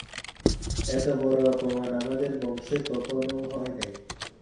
এত বড়ো অপমান আমাদের বংশে কখনো হয় নাই।